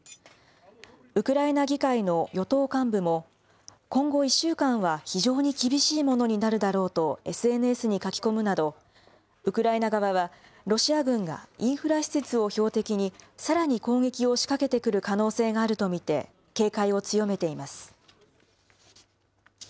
ウクライナ議会の与党幹部も、今後１週間は非常に厳しいものになるだろうと、ＳＮＳに書き込むなど、ウクライナ側は、ロシア軍がインフラ施設を標的に、さらに攻撃を仕掛けてくる可能性があると見て警戒を強めています。